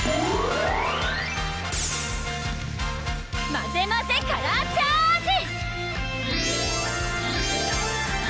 まぜまぜカラーチャージ！